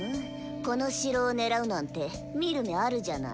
この城を狙うなんて見る目あるじゃない。